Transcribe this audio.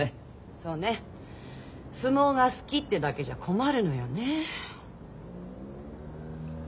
そうね相撲が好きっていうだけじゃ困るのよね。